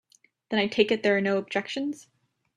Then I take it there are no objections.